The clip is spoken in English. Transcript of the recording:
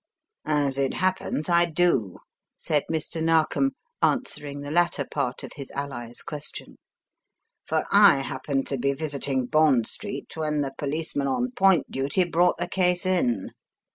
"As it happens, I do," said Mr. Narkom, answering the latter part of his ally's question, "for I happened to be visiting Bond Street when the policeman on point duty brought the case in.